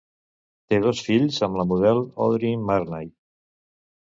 Té dos fills amb la model Audrey Marnay.